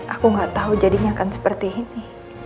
aku gak tahu jadinya akan seperti ini